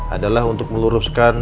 adalah untuk meluruskan